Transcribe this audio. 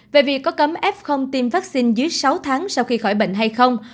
về việc có cấm f tiêm vaccine dưới sáu tháng sau khi khỏi bệnh hay không